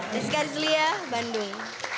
rizka rizliyah bandung